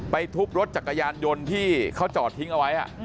ทุบรถจักรยานยนต์ที่เขาจอดทิ้งเอาไว้